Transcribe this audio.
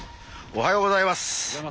おはようございます。